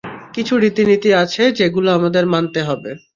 কিছু রীতিনীতি আছে সেগুলো আমাদের মানতে হবে।